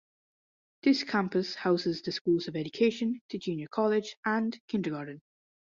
This campus houses the Schools of Education, the Junior College, and Kindergarten.